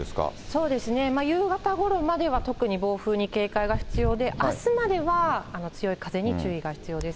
そうですね、夕方ごろまでは特に暴風に警戒が必要で、あすまでは強い風に注意が必要です。